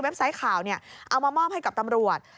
ไซต์ข่าวเอามามอบให้กับตำรวจ